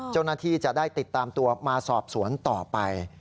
เจ้าหน้าที่จะได้ติดตามตัวมาสอบสวนต่อไป